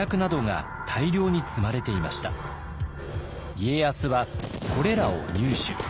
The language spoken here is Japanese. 家康はこれらを入手。